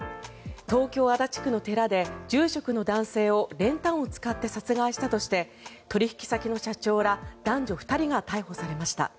東京・足立区の寺で住職の男性を練炭を使って殺害したとして取引先の社長ら男女２人が逮捕されました。